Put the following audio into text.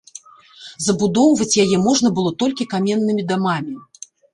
Забудоўваць яе можна было толькі каменнымі дамамі.